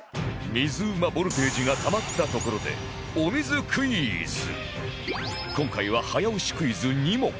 水うまボルテージがたまったところで今回は早押しクイズ２問